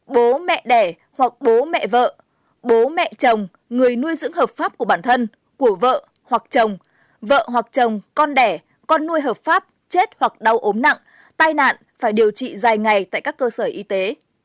bố mẹ đẻ hoặc bố mẹ vợ bố mẹ chồng người nuôi dưỡng hợp pháp của bản thân của vợ hoặc chồng vợ hoặc chồng con đẻ con nuôi hợp pháp chết hoặc đau ốm nặng tai nạn phải điều trị dài ngày tại các cơ sở y tế